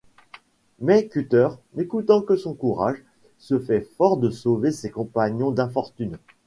Mais Cutter, n'écoutant que son courage, se fait fort de sauver ses compagnons d'infortune.